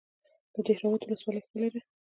د دهراوود ولسوالۍ ښکلې ده